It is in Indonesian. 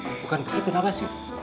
bukan begitu nak basir